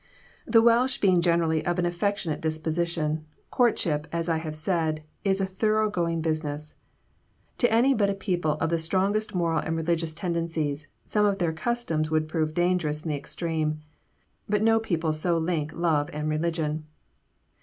The Welsh being generally of an affectionate disposition, courtship, as I have said, is a thorough going business. To any but a people of the strongest moral and religious tendencies, some of their customs would prove dangerous in the extreme; but no people so link love and religion.